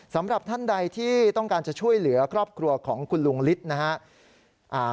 สำหรับท่านใดที่ต้องการจะช่วยเหลือครอบครัวของคุณลุงฤทธิ์นะครับ